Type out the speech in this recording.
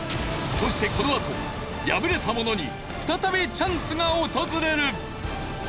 そしてこのあと敗れた者に再びチャンスが訪れる！